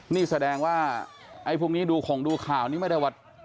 นี่แสดงว่าไอ้พวกนี้ดูข่งดูข่าวนี้ไม่ได้ว่า